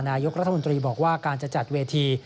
นายกรัฐมนตรีบอกว่าการจะจัดเวที